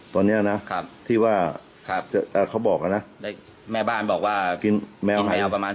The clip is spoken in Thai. ตัวนี้นะครับที่ว่าครับอ่าเขาบอกอ่ะนะแม่บ้านบอกว่ากินแมวแมวประมาณ